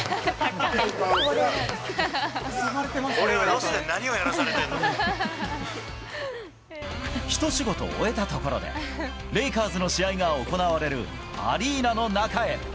俺はロスで何をやらされてん一仕事終えたところで、レイカーズの試合が行われるアリーナの中へ。